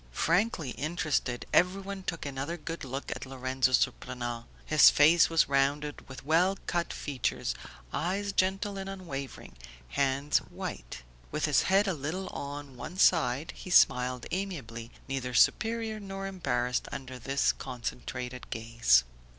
Frankly interested, everyone took another good look at Lorenzo Surprenant. His face was rounded, with well cut features, eyes gentle and unwavering, hands white; with his head a little on one side he smiled amiably, neither superior nor embarrassed under this concentrated gaze.